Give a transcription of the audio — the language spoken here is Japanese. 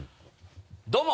どうも！